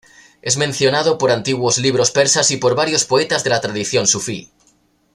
Es mencionado por antiguos libros persas y por varios poetas de la tradición sufí.